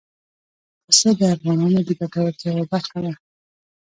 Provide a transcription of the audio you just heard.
پسه د افغانانو د ګټورتیا یوه برخه ده.